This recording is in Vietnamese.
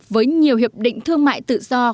với nhiều hiệp định thương mại tự do